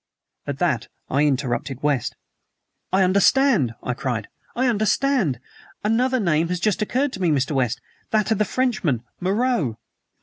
'" At that I interrupted West. "I understand!" I cried. "I understand! Another name has just occurred to me, Mr. West that of the Frenchman, Moreau."